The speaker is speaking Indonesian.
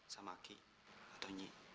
sama ki atau nyi